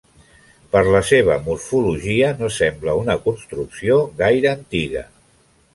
Per la seva morfologia no sembla una construcció gaire antiga.